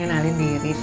kenalin diri cid